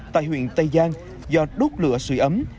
tại huyện tây giang do đốt lửa sủi ấm